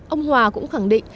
ông hòa cũng khẳng định